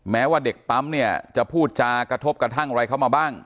แม้ว่าเด็กปั๊มเนี่ยจะพูดจากกระทบกระทั่งอะไรเข้ามาบ้าง